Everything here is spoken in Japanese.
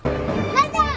ラジャー。